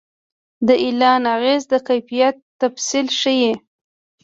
د اعلان اغېز د کیفیت تفصیل ښيي.